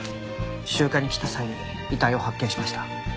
集荷に来た際に遺体を発見しました。